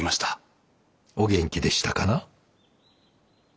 お元気でしたかな？